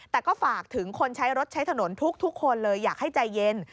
แต่ก็ฝากถึงคนใช้รถใช้ถนนทุกคนเลยอยากให้ใจเย็น